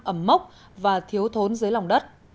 ẩm mốc và thiếu thốn dưới lòng đất